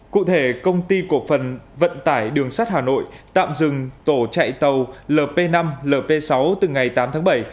cụ thể công ty cổ phần vận tải đường sắt hà nội tạm dừng tổ chạy tàu lp năm lp sáu từ ngày tám tháng bảy